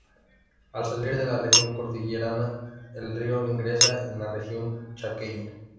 Al salir de la región cordillerana el río ingresa en la región Chaqueña.